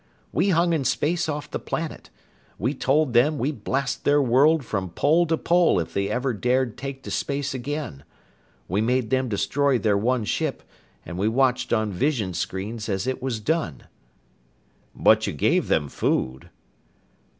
We hung in space off the planet. We told them we'd blast their world from pole to pole if they ever dared take to space again. We made them destroy their one ship, and we watched on visionscreens as it was done." "But you gave them food?"